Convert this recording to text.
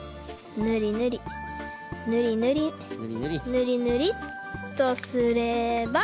ぬりぬりっとすれば。